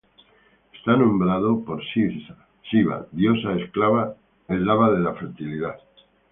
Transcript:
Está nombrado por Siva, diosa eslava de la fertilidad.